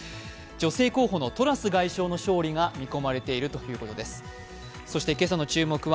女性候補のトラス外相の勝利が見込まれているということです。